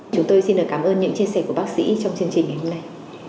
chúng tôi xin cảm ơn những chia sẻ của bác sĩ trong chương trình hôm nay